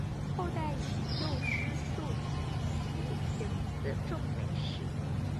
后代以右师戊以其行次仲为氏。